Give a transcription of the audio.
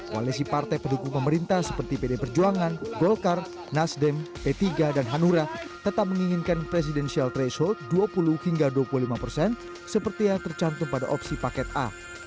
koalisi partai pendukung pemerintah seperti pd perjuangan golkar nasdem p tiga dan hanura tetap menginginkan presidensial threshold dua puluh hingga dua puluh lima persen seperti yang tercantum pada opsi paket a